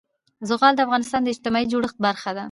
زغال د افغانستان د اجتماعي جوړښت برخه ده.